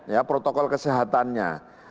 ya protokol kesehatannya